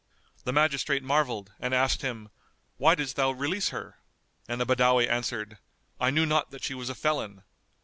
The magistrate marvelled and asked him, "Why didst thou release her?"; and the Badawi answered, "I knew not that she was a felon."